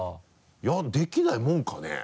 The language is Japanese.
いやできないもんかね？